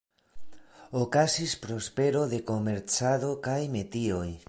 Okazis prospero de komercado kaj metioj.